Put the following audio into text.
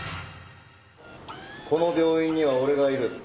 この病院には俺がいる。